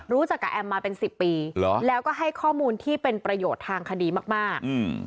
รู้จักกับแอมมาเป็นสิบปีเหรอแล้วก็ให้ข้อมูลที่เป็นประโยชน์ทางคดีมากมากอืม